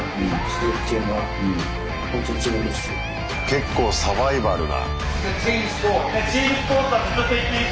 結構サバイバルな。